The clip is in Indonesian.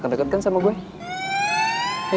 kamu in toleransya improved